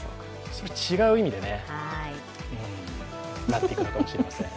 それは違う意味でね、なってくるかもしれません。